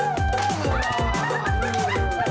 aduh awus kau ya beah